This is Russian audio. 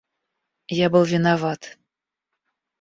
Я был виноват.